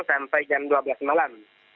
sampai jam dua belas malam